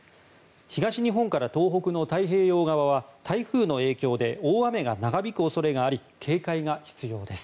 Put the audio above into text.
東日本から東北の太平洋側は台風の影響で大雨が長引く恐れがあり警戒が必要です。